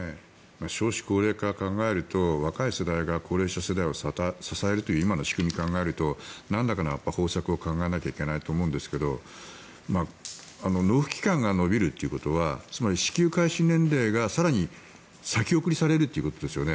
少子高齢化を考えると若い世代が高齢者世代を抱えるという今の方法を考えるとなんらかの方策を考えないといけないと思うんですけど納付期間が延びるということはつまり支給開始年齢が更に先送りされるということですよね。